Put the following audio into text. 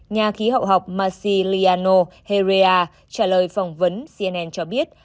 nhà khí hậu học marci liano heria trả lời phỏng vấn cnn cho biết